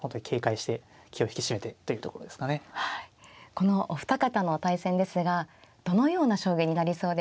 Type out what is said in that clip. このお二方の対戦ですがどのような将棋になりそうでしょうか。